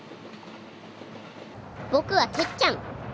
僕はてっちゃん！